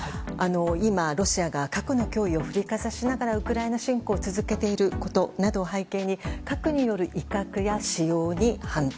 今、ロシアが核の脅威を振りかざしながらウクライナ侵攻を続けていることなどを背景に核による威嚇や使用に反対。